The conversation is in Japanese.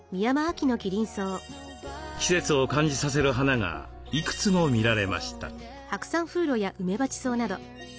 季節を感じさせる花がいくつも見られました。